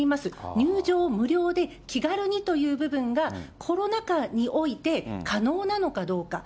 入場無料で気軽にという部分が、コロナ禍において可能なのかどうか。